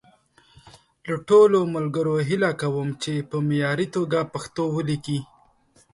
له ټولو ملګرو هیله کوم چې په معیاري توګه پښتو وليکي.